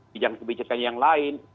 pijang kebijakannya yang lain